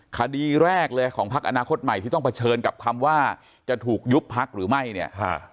คดีแรกเลยของพักอนาคตใหม่ที่ต้องเผชิญกับคำว่าจะถูกยุบพักหรือไม่เนี่ย